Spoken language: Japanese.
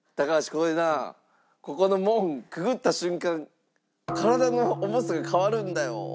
これなここの門くぐった瞬間体の重さが変わるんだよ」。